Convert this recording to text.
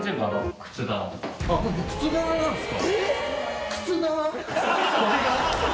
靴棚なんですか？